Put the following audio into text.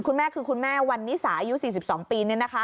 คุณแม่คือคุณแม่วันนี้สายอายุ๔๒ปีเนี่ยนะคะ